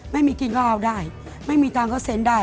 ไม่มีกินก็เอาได้ไม่มีตังค์ก็เซ็นได้